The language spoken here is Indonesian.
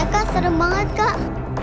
kak serem banget kak